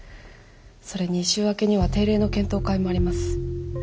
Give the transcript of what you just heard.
それに週明けには定例の検討会もあります。